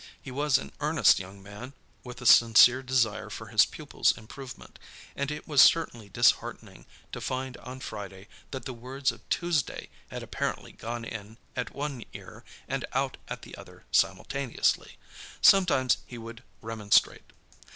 He was an earnest young man, with a sincere desire for his pupil's improvement, and it was certainly disheartening to find on Friday that the words of Tuesday had apparently gone in at one ear and out at the other simultaneously. Sometimes he would remonstrate.